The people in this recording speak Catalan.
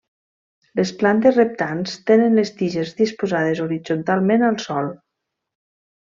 Les plantes reptants tenen les tiges disposades horitzontalment al sòl.